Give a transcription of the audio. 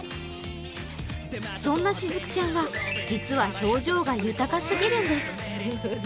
そんなシズクちゃんは実は表情が豊かすぎるんです。